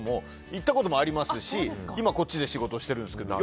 行ったこともありますし今、こっちで仕事してますけど。